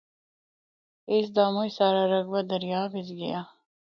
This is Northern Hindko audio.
اس دا مُچ سارا رقبہ دریا بچ گیا۔